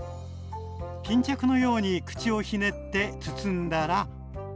巾着のように口をひねって包んだら。